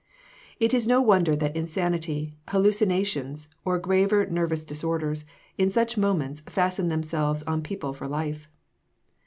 It is no wonder that insanity, hallucinations, or graver nervous disorders, in such moments fasten themselves on people for life.